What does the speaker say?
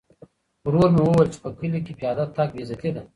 ورور مې وویل چې په کلي کې پیاده تګ بې عزتي ده.